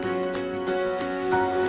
lalu dia nyaman